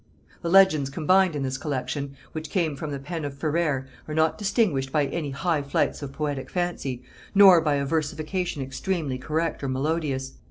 The legends combined in this collection, which came from the pen of Ferrers, are not distinguished by any high flights of poetic fancy, nor by a versification extremely correct or melodious.